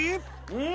うん。